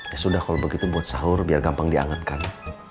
ya sudah kalau begitu buat sahur biar gampang diangatkan